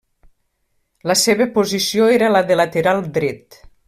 La seva posició era la de lateral dret.